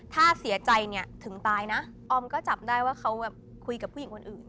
ถ้าเสียใจเนี่ยถึงตายนะออมก็จับได้ว่าเขาแบบคุยกับผู้หญิงคนอื่น